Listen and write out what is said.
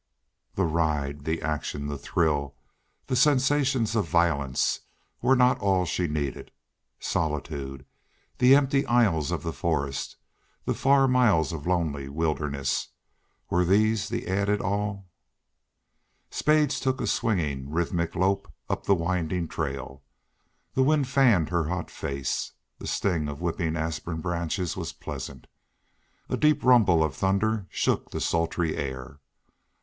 The ride, the action, the thrill, the sensations of violence were not all she needed. Solitude, the empty aisles of the forest, the far miles of lonely wilderness were these the added all? Spades took a swinging, rhythmic lope up the winding trail. The wind fanned her hot face. The sting of whipping aspen branches was pleasant. A deep rumble of thunder shook the sultry air.